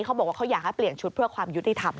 เขาบอกว่าเขาอยากให้เปลี่ยนชุดเพื่อความยุติธรรม